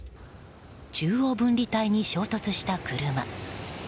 中央分離帯に衝突した車。